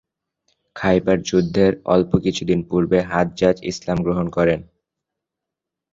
খাইবার যুদ্ধের অল্প কিছুদিন পূর্বে হাজ্জাজ ইসলাম গ্রহণ করেন।